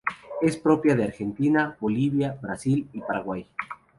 Es propia de Argentina, Bolivia, Brasil y Paraguay.